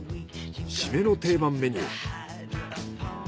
シメの定番メニュー。